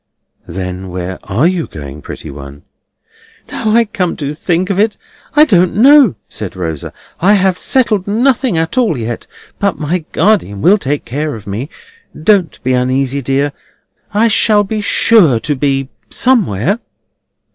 "Then where are you going, pretty one?" "Now I come to think of it, I don't know," said Rosa. "I have settled nothing at all yet, but my guardian will take care of me. Don't be uneasy, dear. I shall be sure to be somewhere."